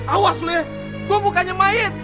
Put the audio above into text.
awas lu ya gue bukannya mayit